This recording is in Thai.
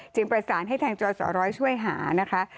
จึงประสานให้แทงจรสอร้อยช่วยหานะคะ